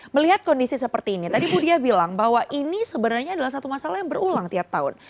melihat kondisi seperti ini tadi bu diah bilang bahwa ini sebenarnya adalah satu masalah yang berulang tiap tahun